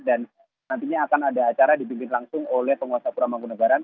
dan nantinya akan ada acara dibimbing langsung oleh penguasa puramangkode garan